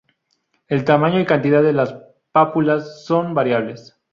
El tamaño y cantidad de las pápulas son variables.